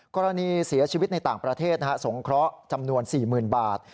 กรณีเสียชีวิตในต่างประเทศสงเคราะห์จำนวน๔๐๐๐บาท